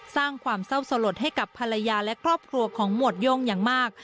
สร้างความเศร้าสลดให้กับภรรยาและครอบครัวของหมวดโย่งอย่างมาก